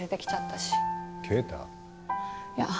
いや。